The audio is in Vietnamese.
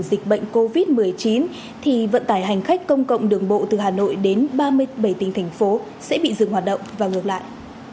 dịch bệnh covid một mươi chín thì vận tải hành khách công cộng đường bộ từ hà nội đến ba mươi bảy tỉnh thành phố sẽ bị dừng hoạt động và ngược lại